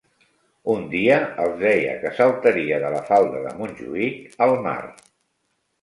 Un dia els deia que saltaria de la falda de Montjuïc al mar.